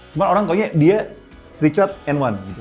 cuma orang kaya dia richard and one